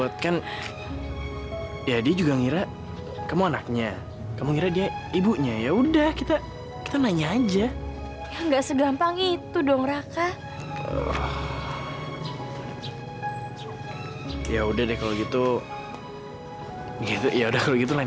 terima kasih noua melindungi dia